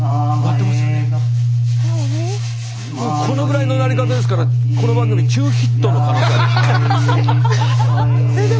このぐらいの鳴り方ですからこの番組中ヒットの可能性。